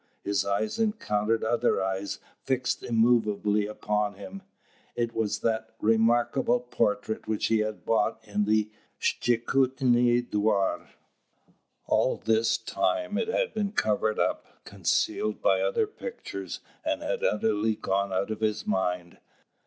His eyes encountered other eyes fixed immovably upon him. It was that remarkable portrait which he had bought in the Shtchukinui Dvor. All this time it had been covered up, concealed by other pictures, and had utterly gone out of his mind.